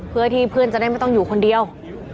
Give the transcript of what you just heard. เพื่อที่เพื่อนจะได้ไม่ต้องอยู่คนเดียว